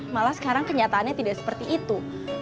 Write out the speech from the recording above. malah sekarang kenyataannya tidak seperti itu